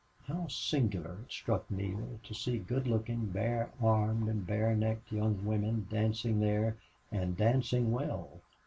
How singular, it struck Neale, to see good looking, bare armed and bare necked young women dancing there, and dancing well!